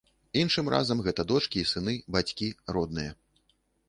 Іншым разам гэта дочкі і сыны, бацькі, родныя.